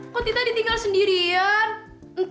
kok tita ditinggal sendirian